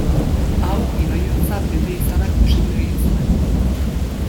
Hau, ibai ertza bete izanak posible egin zuen.